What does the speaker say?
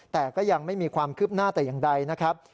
แต่ก็ยังไม่มีความคืบหน้าแต่อย่างใดนะครับ